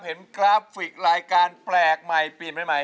เห็นกราฟฟิกรายการไปกใหม่ปีนไปใหม่